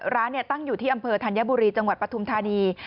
ตั้งอยู่ที่อำเภอธัญบุรีจังหวัดปฐุมธานี